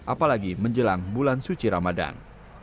apalagi menjelang bulan suci ramadan